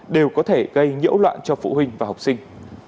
đều có thể gây nhiễu loạn cho phụ huynh và học sinh